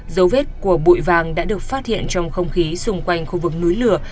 dấu vết của bụi vàng đã được phát hiện trong không khí xung quanh khu vực núi lửa